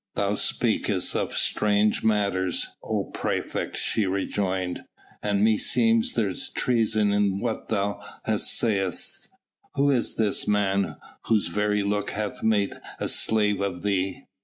"Thou speakest of strange matters, O praefect," she rejoined, "and meseems there's treason in what thou sayest. Who is this man, whose very look hath made a slave of thee?"